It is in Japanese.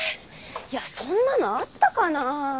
いやそんなのあったかなぁ？